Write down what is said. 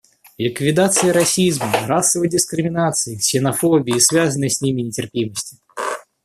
Ликвидация расизма, расовой дискриминации, ксенофобии и связанной с ними нетерпимости.